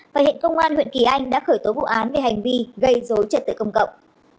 và hiện công an huyện kỳ anh đã khởi tố vụ án về hành vi gây dối trật tự công cộng